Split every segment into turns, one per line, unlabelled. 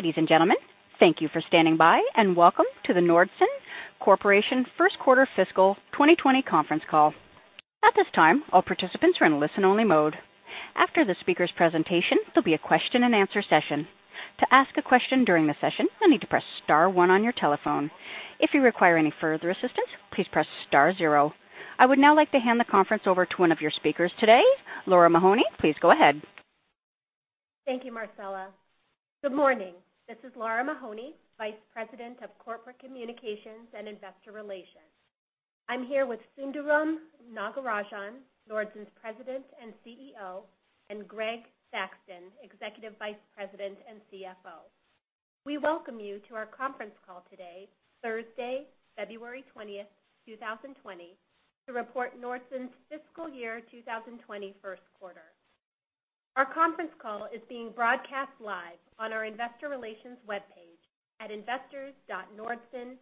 Ladies and gentlemen, thank you for standing by, and welcome to the Nordson Corporation First Quarter Fiscal 2020 Conference Call. At this time, all participants are in listen only mode. After the speaker's presentation, there will be a question and answer session. To ask a question during the session, you will need to press star one on your telephone. If you require any further assistance, please press star zero. I would now like to hand the conference over to one of your speakers today. Lara Mahoney, please go ahead.
Thank you, Marcella. Good morning. This is Lara Mahoney, Vice President of Corporate Communications and Investor Relations. I'm here with Sundaram Nagarajan, Nordson's President and CEO, and Greg Thaxton, Executive Vice President and CFO. We welcome you to our conference call today, Thursday, February 20th, 2020, to report Nordson's fiscal year 2020 first quarter. Our conference call is being broadcast live on our investor relations webpage at investors.nordson.com,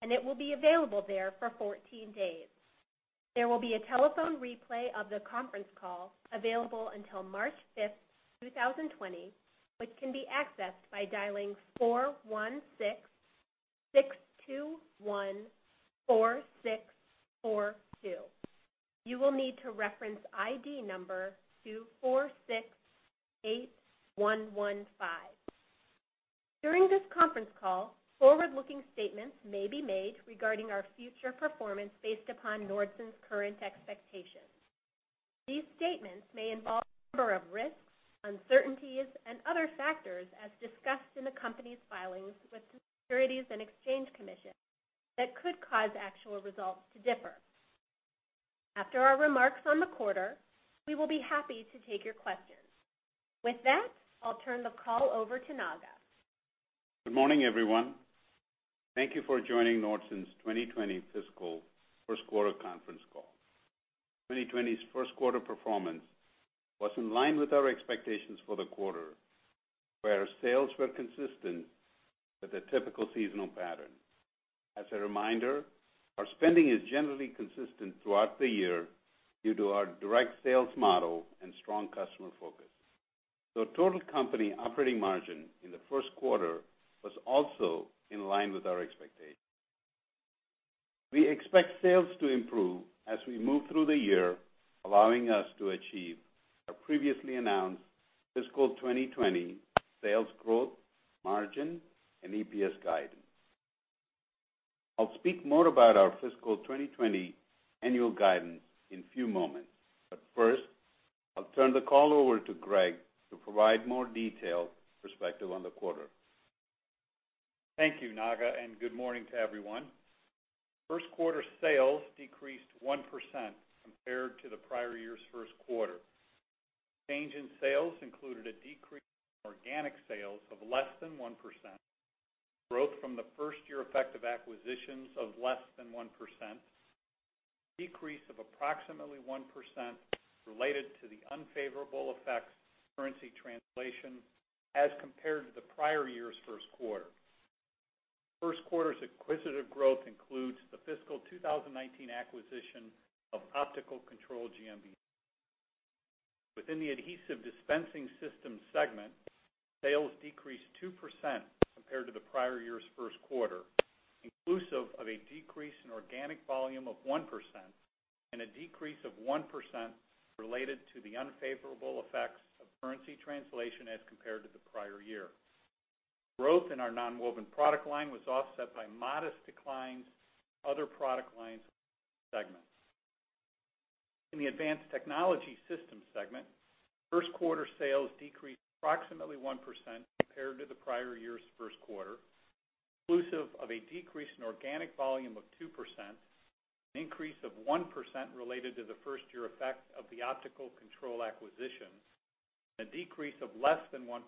and it will be available there for 14 days. There will be a telephone replay of the conference call available until March 5th, 2020, which can be accessed by dialing 416-621-4642. You will need to reference ID number 2468115. During this conference call, forward-looking statements may be made regarding our future performance based upon Nordson's current expectations. These statements may involve a number of risks, uncertainties, and other factors as discussed in the company's filings with the Securities and Exchange Commission that could cause actual results to differ. After our remarks on the quarter, we will be happy to take your questions. With that, I'll turn the call over to Naga.
Good morning, everyone. Thank you for joining Nordson's 2020 fiscal first quarter conference call. 2020's first quarter performance was in line with our expectations for the quarter, where sales were consistent with a typical seasonal pattern. As a reminder, our spending is generally consistent throughout the year due to our direct sales model and strong customer focus. Total company operating margin in the first quarter was also in line with our expectations. We expect sales to improve as we move through the year, allowing us to achieve our previously announced fiscal 2020 sales growth, margin, and EPS guidance. I'll speak more about our fiscal 2020 annual guidance in few moments, first, I'll turn the call over to Greg to provide more detailed perspective on the quarter.
Thank you, Naga. Good morning to everyone. First quarter sales decreased 1% compared to the prior year's first quarter. Change in sales included a decrease in organic sales of less than 1%, growth from the first year effect of acquisitions of less than 1%, decrease of approximately 1% related to the unfavorable effects of currency translation as compared to the prior year's first quarter. First quarter's acquisitive growth includes the fiscal 2019 acquisition of Optical Control GmbH. Within the Adhesive Dispensing Systems segment, sales decreased 2% compared to the prior year's first quarter, inclusive of a decrease in organic volume of 1% and a decrease of 1% related to the unfavorable effects of currency translation as compared to the prior year. Growth in our nonwoven product line was offset by modest declines in other product lines segments. In the Advanced Technology Systems segment, first quarter sales decreased approximately 1% compared to the prior year's first quarter, inclusive of a decrease in organic volume of 2%, an increase of 1% related to the first year effect of the Optical Control acquisition, a decrease of less than 1%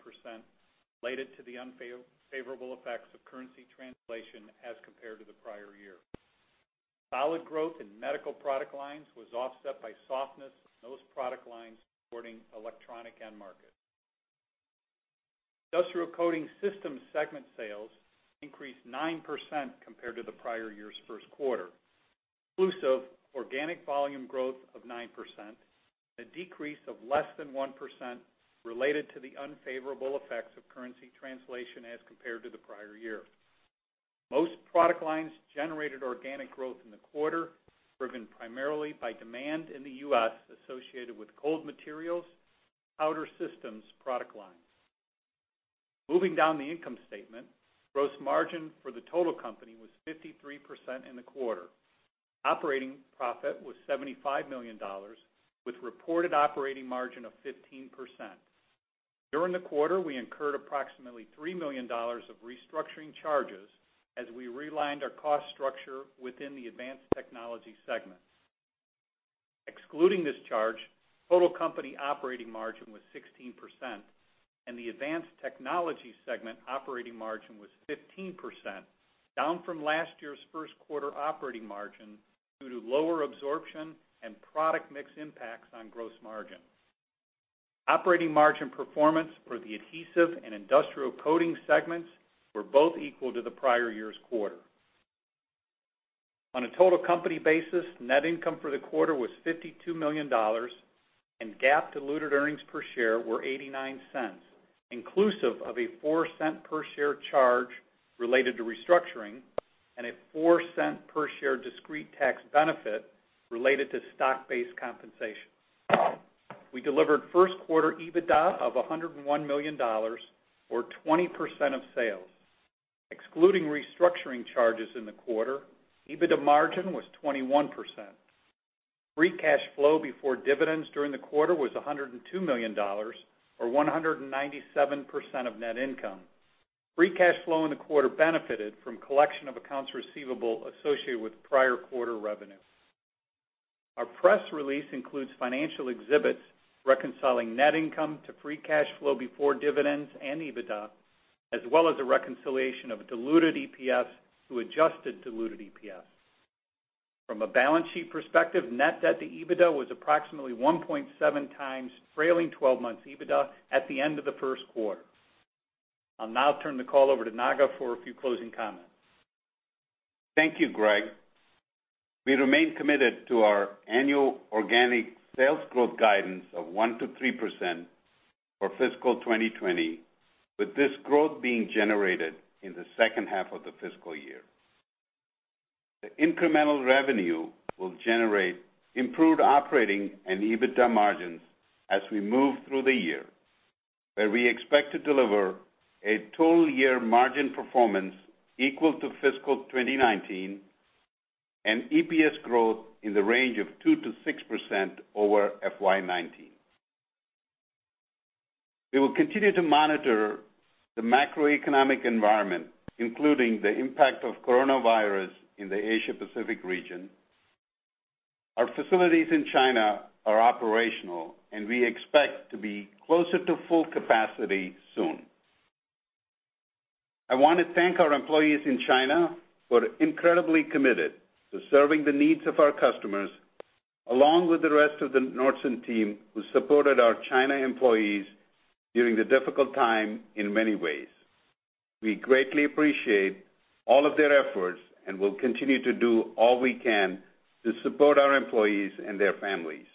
related to the unfavorable effects of currency translation as compared to the prior year. Solid growth in medical product lines was offset by softness in those product lines supporting electronic end market. Industrial Coating Systems segment sales increased 9% compared to the prior year's first quarter, inclusive organic volume growth of 9%, a decrease of less than 1% related to the unfavorable effects of currency translation as compared to the prior year. Most product lines generated organic growth in the quarter, driven primarily by demand in the U.S. associated with cold materials, powder systems product lines. Moving down the income statement, gross margin for the total company was 53% in the quarter. Operating profit was $75 million with reported operating margin of 15%. During the quarter, we incurred approximately $3 million of restructuring charges as we realigned our cost structure within the Advanced Technology segment. Excluding this charge, total company operating margin was 16%, and the Advanced Technology segment operating margin was 15%, down from last year's first quarter operating margin due to lower absorption and product mix impacts on gross margin. Operating margin performance for the Adhesive and Industrial Coating segments were both equal to the prior year's quarter. On a total company basis, net income for the quarter was $52 million, and GAAP diluted earnings per share were $0.89, inclusive of a $0.04 per share charge related to restructuring and a $0.04 per share discrete tax benefit related to stock-based compensation. We delivered first quarter EBITDA of $101 million, or 20% of sales. Excluding restructuring charges in the quarter, EBITDA margin was 21%. Free cash flow before dividends during the quarter was $102 million, or 197% of net income. Free cash flow in the quarter benefited from collection of accounts receivable associated with prior quarter revenue. Our press release includes financial exhibits reconciling net income to free cash flow before dividends and EBITDA, as well as a reconciliation of diluted EPS to adjusted diluted EPS. From a balance sheet perspective, net debt to EBITDA was approximately 1.7x trailing 12 months EBITDA at the end of the first quarter. I'll now turn the call over to Naga for a few closing comments.
Thank you, Greg. We remain committed to our annual organic sales growth guidance of 1%-3% for fiscal 2020, with this growth being generated in the second half of the fiscal year. The incremental revenue will generate improved operating and EBITDA margins as we move through the year, where we expect to deliver a total year margin performance equal to FY 2019 and EPS growth in the range of 2%-6% over FY 2019. We will continue to monitor the macroeconomic environment, including the impact of coronavirus in the Asia Pacific region. Our facilities in China are operational, and we expect to be closer to full capacity soon. I want to thank our employees in China, who are incredibly committed to serving the needs of our customers, along with the rest of the Nordson team who supported our China employees during the difficult time in many ways. We greatly appreciate all of their efforts and will continue to do all we can to support our employees and their families.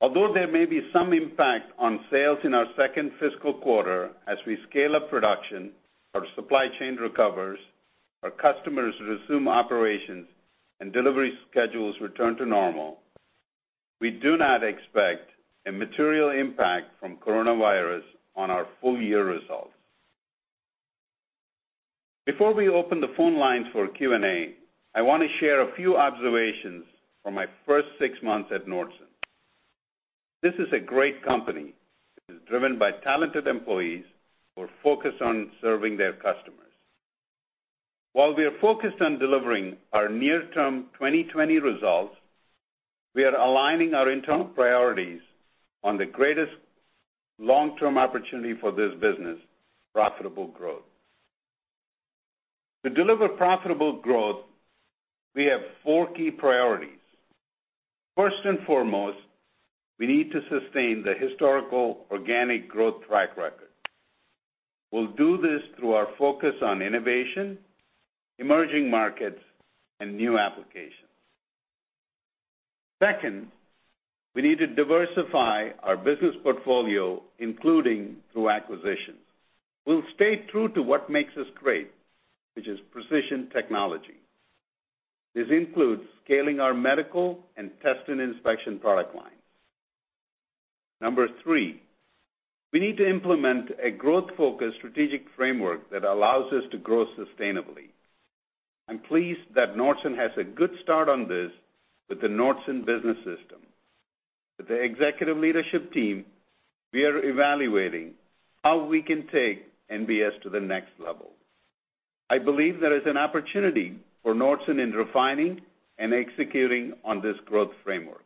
Although there may be some impact on sales in our second fiscal quarter, as we scale up production, our supply chain recovers, our customers resume operations, and delivery schedules return to normal, we do not expect a material impact from coronavirus on our full-year results. Before we open the phone lines for Q&A, I want to share a few observations from my first six months at Nordson. This is a great company. It is driven by talented employees who are focused on serving their customers. While we are focused on delivering our near-term 2020 results, we are aligning our internal priorities on the greatest long-term opportunity for this business, profitable growth. To deliver profitable growth, we have four key priorities. First and foremost, we need to sustain the historical organic growth track record. We'll do this through our focus on innovation, emerging markets, and new applications. Second, we need to diversify our business portfolio, including through acquisitions. We'll stay true to what makes us great, which is precision technology. This includes scaling our medical and test and inspection product lines. Number three, we need to implement a growth-focused strategic framework that allows us to grow sustainably. I'm pleased that Nordson has a good start on this with the Nordson Business System. With the executive leadership team, we are evaluating how we can take NBS to the next level. I believe there is an opportunity for Nordson in refining and executing on this growth framework.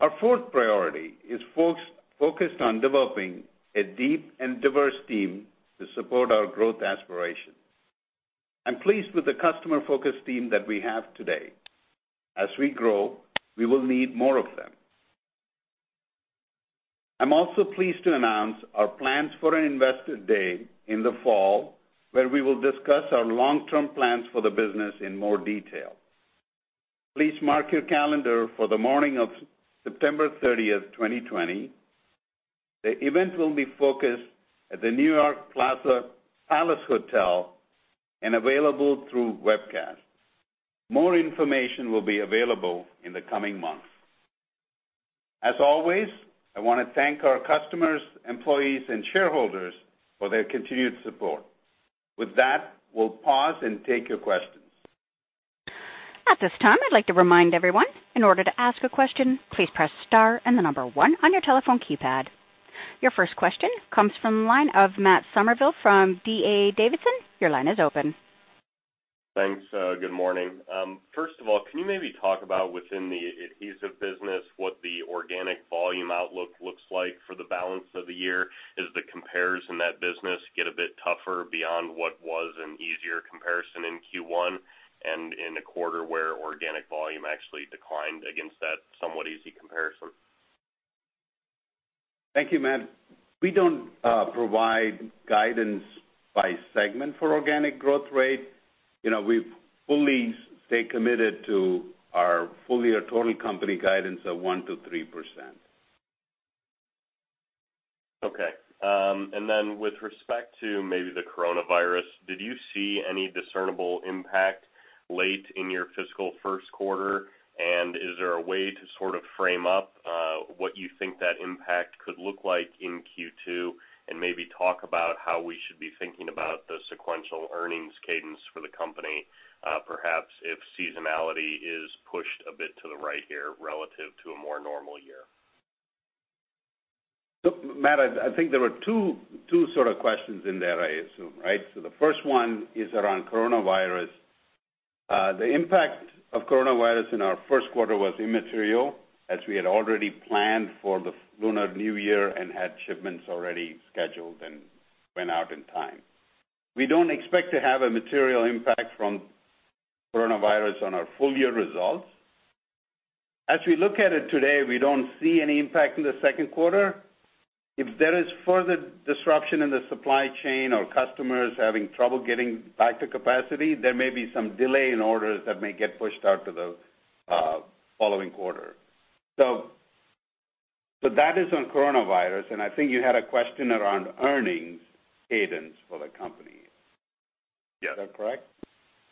Our fourth priority is focused on developing a deep and diverse team to support our growth aspirations. I'm pleased with the customer-focused team that we have today. As we grow, we will need more of them. I'm also pleased to announce our plans for an Investor Day in the fall, where we will discuss our long-term plans for the business in more detail. Please mark your calendar for the morning of September 30th, 2020. The event will be focused at the New York Palace Hotel and available through webcast. More information will be available in the coming months. As always, I want to thank our customers, employees, and shareholders for their continued support. With that, we'll pause and take your questions.
At this time, I'd like to remind everyone, in order to ask a question, please press star and the number one on your telephone keypad. Your first question comes from the line of Matt Summerville from D.A. Davidson. Your line is open.
Thanks. Good morning. First of all, can you maybe talk about within the adhesive business, what the organic volume outlook looks like for the balance of the year? As the compares in that business get a bit tougher beyond what was an easier comparison in Q1 and in a quarter where organic volume actually declined against that somewhat easy comparison?
Thank you, Matt. We don't provide guidance by segment for organic growth rate. We fully stay committed to our full year total company guidance of 1%-3%.
Okay. With respect to maybe the coronavirus, did you see any discernible impact late in your fiscal first quarter? Is there a way to frame up what you think that impact could look like in Q2, and maybe talk about how we should be thinking about the sequential earnings cadence for the company, perhaps if seasonality is pushed a bit to the right here relative to a more normal year?
Look, Matt, I think there were two questions in there, I assume, right? The first one is around coronavirus. The impact of coronavirus in our first quarter was immaterial, as we had already planned for the Lunar New Year and had shipments already scheduled and went out in time. We don't expect to have a material impact from coronavirus on our full year results. As we look at it today, we don't see any impact in the second quarter. If there is further disruption in the supply chain or customers having trouble getting back to capacity, there may be some delay in orders that may get pushed out to the following quarter. That is on coronavirus, and I think you had a question around earnings cadence for the company.
Yes.
Is that correct?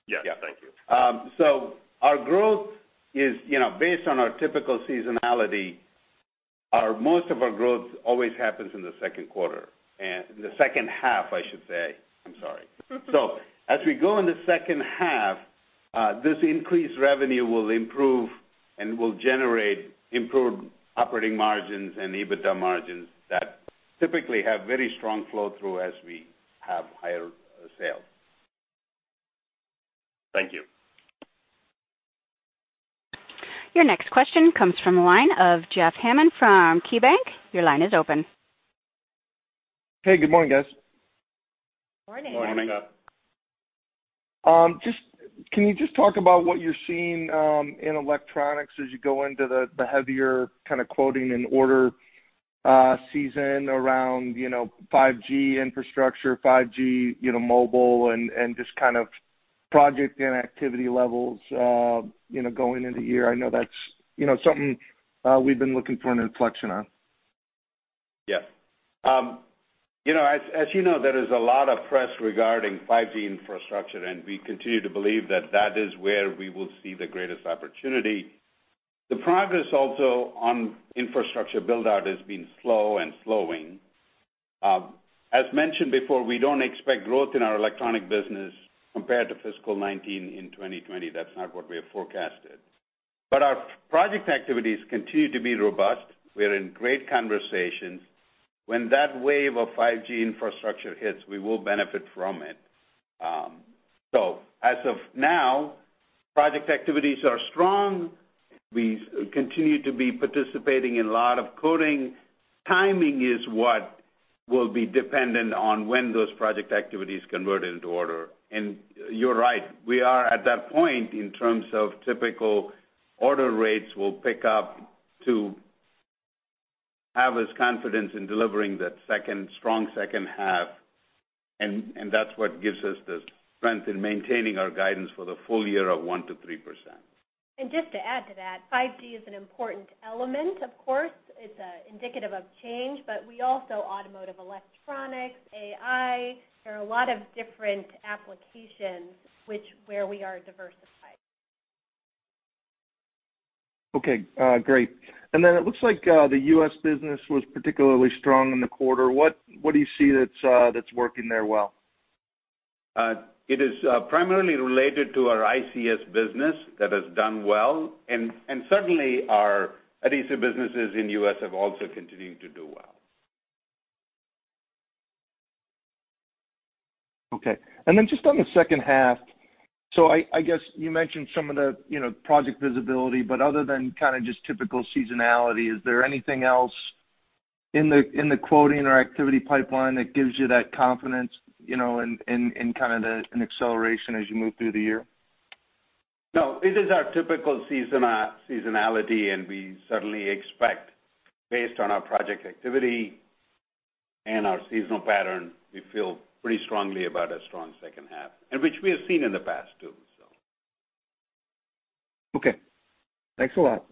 Yes, thank you.
Our growth is based on our typical seasonality. Most of our growth always happens in the second quarter. In the second half, I should say. I'm sorry. As we go in the second half, this increased revenue will improve and will generate improved operating margins and EBITDA margins that typically have very strong flow-through as we have higher sales.
Thank you.
Your next question comes from the line of Jeff Hammond from KeyBanc. Your line is open.
Hey, good morning, guys.
Morning.
Morning, Jeff.
Can you just talk about what you're seeing in electronics as you go into the heavier kind of quoting and order season around 5G infrastructure, 5G mobile, and just kind of project and activity levels going into year? I know that's something we've been looking for an inflection on.
Yeah. As you know, there is a lot of press regarding 5G infrastructure. We continue to believe that that is where we will see the greatest opportunity. The progress also on infrastructure build-out has been slow and slowing. As mentioned before, we don't expect growth in our electronic business compared to FY 2019 in 2020. That's not what we have forecasted. Our project activities continue to be robust. We are in great conversations. When that wave of 5G infrastructure hits, we will benefit from it. As of now, project activities are strong. We continue to be participating in a lot of quoting. Timing is what will be dependent on when those project activities convert into order. You're right, we are at that point in terms of typical order rates will pick up to have us confidence in delivering that strong second half, and that's what gives us the strength in maintaining our guidance for the full year of 1%-3%.
Just to add to that, 5G is an important element, of course. It's indicative of change. We also, automotive electronics, AI, there are a lot of different applications where we are diversified.
Okay, great. Then it looks like the U.S. business was particularly strong in the quarter. What do you see that's working there well?
It is primarily related to our ICS business that has done well, and certainly our adhesive businesses in U.S. have also continued to do well.
Okay. Just on the second half, I guess you mentioned some of the project visibility. Other than kind of just typical seasonality, is there anything else in the quoting or activity pipeline that gives you that confidence in kind of an acceleration as you move through the year?
No, it is our typical seasonality, and we certainly expect, based on our project activity and our seasonal pattern, we feel pretty strongly about a strong second half, and which we have seen in the past too, so.
Okay. Thanks a lot.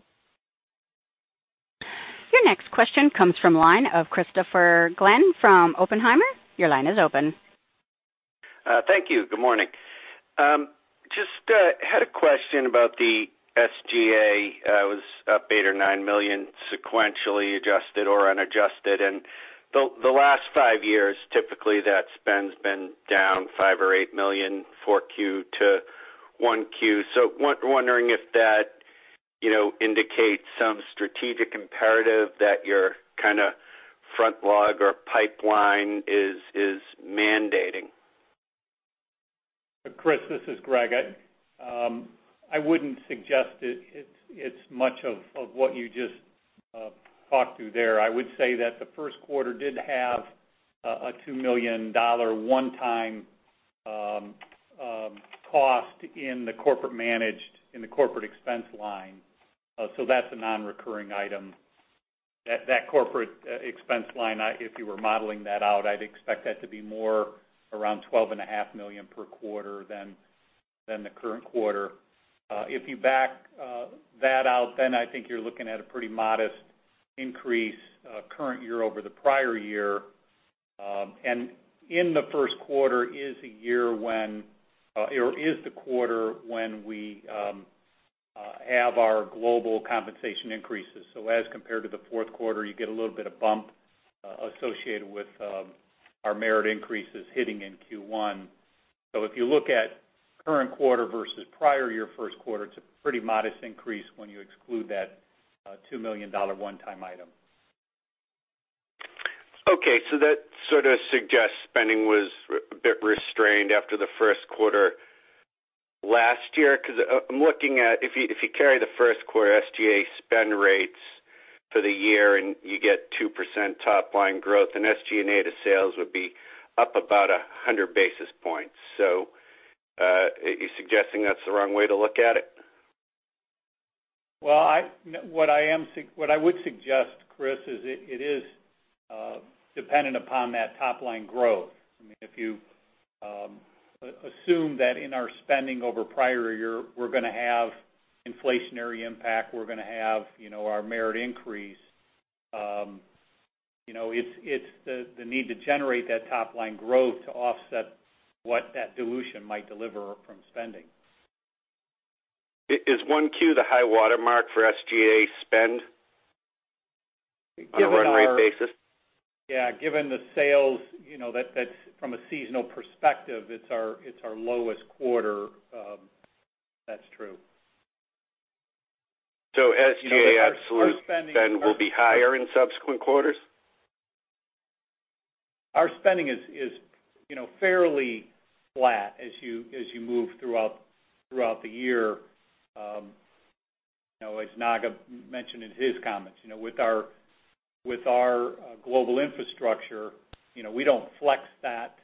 Your next question comes from the line of Christopher Glynn from Oppenheimer. Your line is open.
Thank you. Good morning. Just had a question about the SG&A. It was up $8 million or $9 million sequentially adjusted or unadjusted. The last five years, typically, that spend's been down $5 million or $8 million 4Q to 1Q. Wondering if that indicates some strategic imperative that your kind of front log or pipeline is mandating.
Chris, this is Greg. I wouldn't suggest it's much of what you just talked to there. I would say that the first quarter did have a $2 million one-time cost in the corporate managed in the corporate expense line. That's a non-recurring item. That corporate expense line, if you were modeling that out, I'd expect that to be more around $12.5 million per quarter than the current quarter. If you back that out, I think you're looking at a pretty modest increase current year over the prior year. In the first quarter is the quarter when we have our global compensation increases. As compared to the fourth quarter, you get a little bit of bump associated with our merit increases hitting in Q1. If you look at current quarter versus prior year first quarter, it's a pretty modest increase when you exclude that $2 million one-time item.
That sort of suggests spending was a bit restrained after the first quarter last year. I'm looking at if you carry the first quarter SG&A spend rates for the year and you get 2% top line growth, then SG&A to sales would be up about 100 basis points. Are you suggesting that's the wrong way to look at it?
Well, what I would suggest, Chris, is it is dependent upon that top line growth. If you assume that in our spending over prior year, we're going to have inflationary impact, we're going to have our merit increase. It's the need to generate that top line growth to offset what that dilution might deliver from spending.
Is 1Q the high watermark for SG&A spend on a run rate basis?
Yeah, given the sales, from a seasonal perspective, it's our lowest quarter. That's true.
SG&A absolute spend will be higher in subsequent quarters?
Our spending is fairly flat as you move throughout the year. As Naga mentioned in his comments, with our global infrastructure, we don't flex that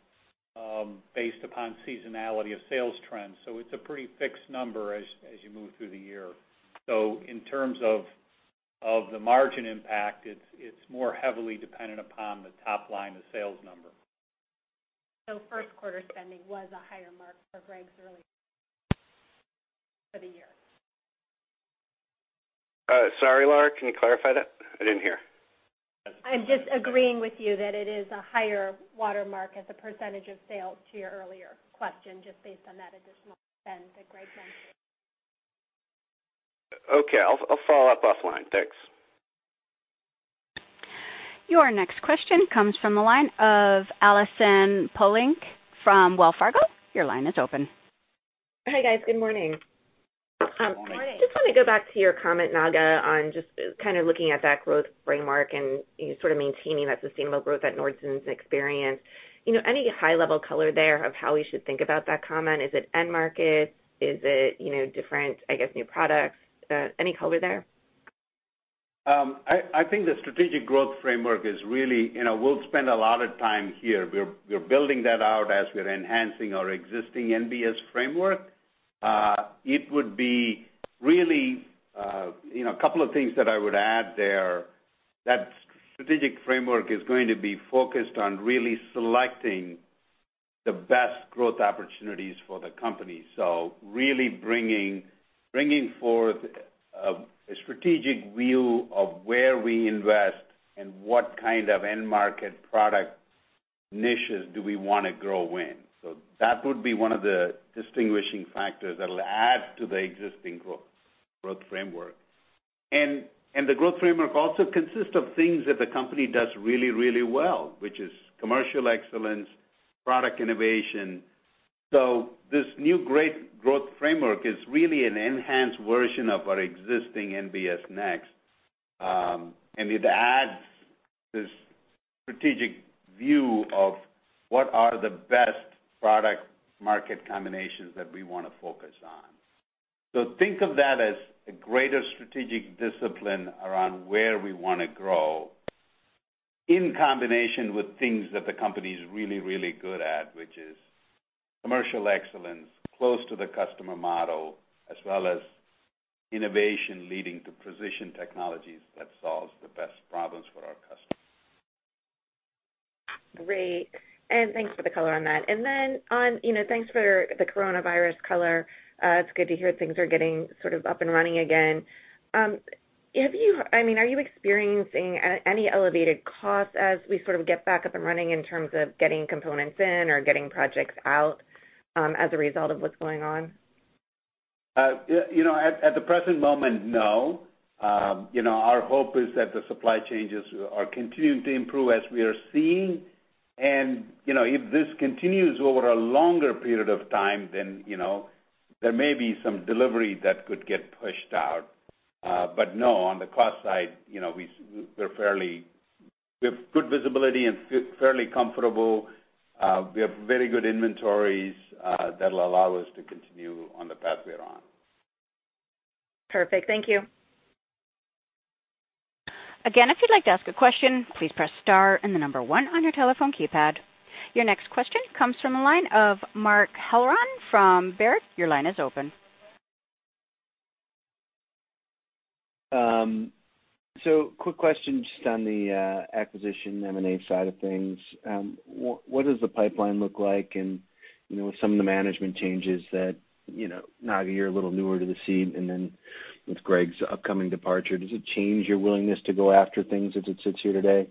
based upon seasonality of sales trends. It's a pretty fixed number as you move through the year. In terms of the margin impact, it's more heavily dependent upon the top line, the sales number.
First quarter spending was a higher mark for Greg's earlier for the year.
Sorry, Lara, can you clarify that? I didn't hear.
I'm just agreeing with you that it is a higher watermark as a percentage of sales to your earlier question, just based on that additional spend that Greg mentioned.
Okay. I'll follow up offline. Thanks.
Your next question comes from the line of Allison Poliniak from Wells Fargo. Your line is open.
Hi, guys. Good morning.
Good morning.
Just want to go back to your comment, Naga, on just kind of looking at that growth framework and you sort of maintaining that sustainable growth that Nordson's experienced. Any high level color there of how we should think about that comment? Is it end market? Is it different, I guess, new products? Any color there?
I think the strategic growth framework is really, we'll spend a lot of time here. We're building that out as we're enhancing our existing NBS framework. It would be really, a couple of things that I would add there. That strategic framework is going to be focused on really selecting the best growth opportunities for the company. Really bringing forth a strategic view of where we invest and what kind of end market product niches do we want to grow in. That would be one of the distinguishing factors that'll add to the existing growth framework. The growth framework also consists of things that the company does really well, which is commercial excellence, product innovation. This new growth framework is really an enhanced version of our existing NBS Next. It adds this strategic view of what are the best product market combinations that we want to focus on. Think of that as a greater strategic discipline around where we want to grow in combination with things that the company's really good at, which is commercial excellence, close to the customer model, as well as innovation leading to precision technologies that solves the best problems for our customers.
Great. Thanks for the color on that. Then on, thanks for the coronavirus color. It's good to hear things are getting sort of up and running again. Are you experiencing any elevated costs as we sort of get back up and running in terms of getting components in or getting projects out, as a result of what's going on?
At the present moment, no. Our hope is that the supply chains are continuing to improve as we are seeing. If this continues over a longer period of time, then there may be some delivery that could get pushed out. No, on the cost side, we have good visibility and feel fairly comfortable. We have very good inventories that'll allow us to continue on the path we are on.
Perfect. Thank you.
Again, if you'd like to ask a question, please press star and the number one on your telephone keypad. Your next question comes from the line of Mike Halloran from Baird. Your line is open.
Quick question just on the acquisition M&A side of things. What does the pipeline look like? With some of the management changes that, Naga, you're a little newer to the seat, and then with Greg's upcoming departure, does it change your willingness to go after things as it sits here today?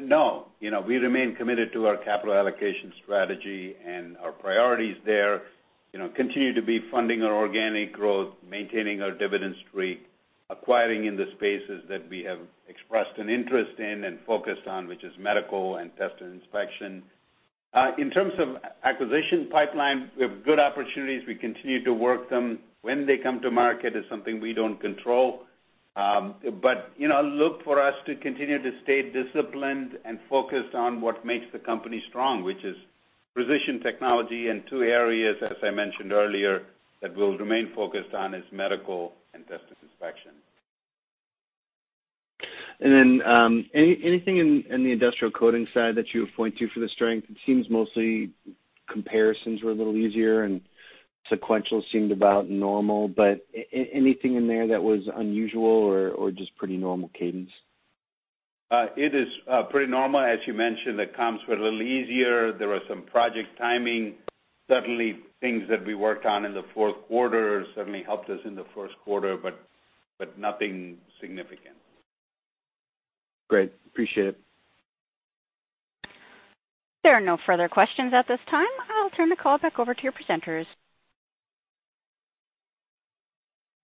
No. We remain committed to our capital allocation strategy, our priorities there continue to be funding our organic growth, maintaining our dividend streak, acquiring in the spaces that we have expressed an interest in and focused on, which is medical and test and inspection. In terms of acquisition pipeline, we have good opportunities. We continue to work them. When they come to market is something we don't control. Look for us to continue to stay disciplined and focused on what makes the company strong, which is precision technology in two areas, as I mentioned earlier, that we'll remain focused on is medical and test and inspection.
Anything in the industrial coating side that you would point to for the strength? It seems mostly comparisons were a little easier, and sequential seemed about normal, but anything in there that was unusual or just pretty normal cadence?
It is pretty normal. As you mentioned, the comps were a little easier. There was some project timing. Certainly things that we worked on in the fourth quarter certainly helped us in the first quarter, but nothing significant.
Great. Appreciate it.
There are no further questions at this time. I'll turn the call back over to your presenters.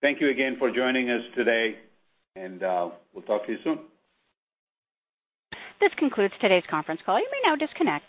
Thank you again for joining us today, and we'll talk to you soon.
This concludes today's conference call. You may now disconnect.